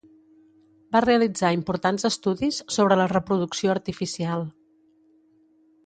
Va realitzar importants estudis sobre la reproducció artificial.